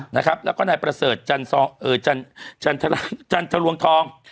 นะครับแล้วก็นายเผรษจรรทรวงทอง